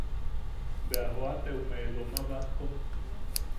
Bea joate ume Loma Bajkom.